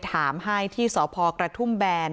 ถามให้ที่สพกระทุ่มแบน